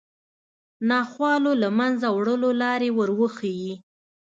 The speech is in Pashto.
ناخوالو له منځه وړلو لارې وروښيي